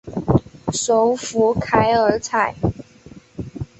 首府凯尔采。